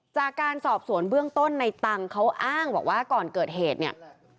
จากการสอบสวนเบื้องต้นในตังค์เขาอ้างบอกว่าก่อนเกิดเหตุเนี่ย